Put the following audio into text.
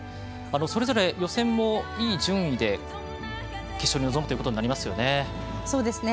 それぞれ予選もいい順位で決勝に臨むことになります。